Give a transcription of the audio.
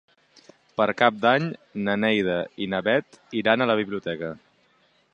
Per Cap d'Any na Neida i na Bet iran a la biblioteca.